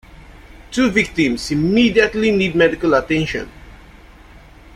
Two victims immediately need medical attention.